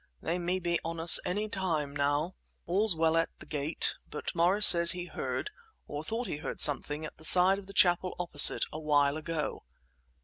They may be on us any time now. All's well at the gate, but Morris says he heard, or thought he heard something at the side of the chapel opposite, a while ago."